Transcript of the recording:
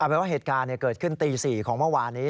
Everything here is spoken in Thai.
เป็นว่าเหตุการณ์เกิดขึ้นตี๔ของเมื่อวานนี้